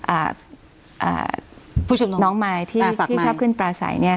อ่าน้องมายที่ชอบขึ้นปลาใส่